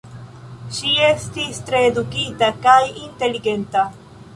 Ŝi estis tre edukita kaj inteligenta.